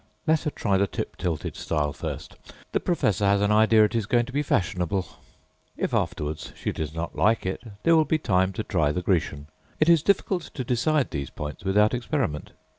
Let her try the tip tilted style first. The professor has an idea it is going to be fashionable. If afterwards she does not like it, there will be time to try the Grecian. It is difficult to decide these points without experiment.